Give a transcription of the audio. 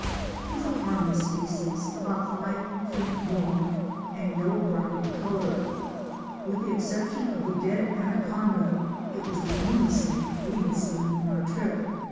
It was a harmless species about five feet long, and yellow brown in color. With the exception of the dead anaconda, it was the only snake we had seen on our trip.